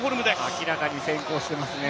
明らかに先行してますね。